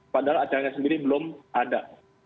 padahal acaranya sendiri belum ada